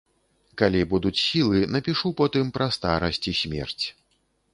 Калі будуць сілы, напішу потым пра старасць і смерць.